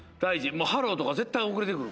もうハローとか絶対遅れてくる。